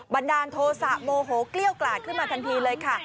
บันดาลโทษะโมโหเกลี้ยวกลาดขึ้นมาทันทีเลยค่ะ